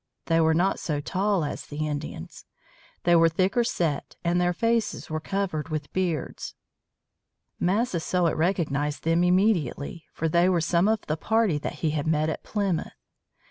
They were not so tall as the Indians. They were thicker set, and their faces were covered with beards. Massasoit recognized them immediately, for they were some of the party that he had met at Plymouth.